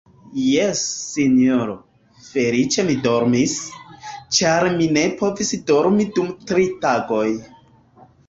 Jes, sinjoro, feliĉe mi dormis, ĉar mi ne povis dormi dum tri tagoj.